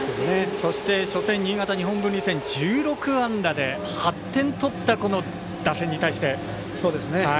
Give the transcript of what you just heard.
そして、初戦新潟・日本文理戦で１６安打で８点を取った打線に対して。